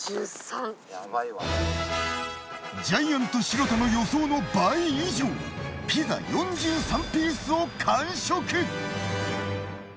ジャイアント白田の予想の倍以上ピザ４３ピースを完食。